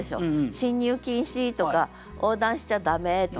「進入禁止」とか「横断しちゃ駄目」とか。